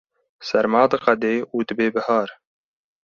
serma diqede û dibe bihar